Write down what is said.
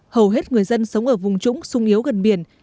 hầu hết người dân sống ở vùng trũng sung yếu gần biển